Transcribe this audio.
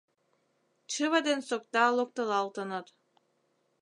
Чыве ден сокта локтылалтыныт.